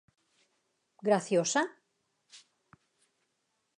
Graciosa?